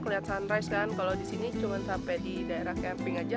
kelihatan sunrise kan kalau di sini cuma sampai di daerah camping aja